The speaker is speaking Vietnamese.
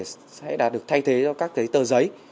sẽ được thay thế cho các cái tờ giấy